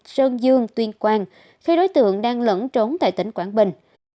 sơn dương tuyên quang khi đối tượng đang lẫn trốn tại tỉnh quảng bình